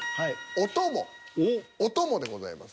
「お供」でございます。